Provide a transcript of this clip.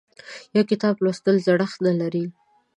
یو کتاب لوستل زړښت نه لري.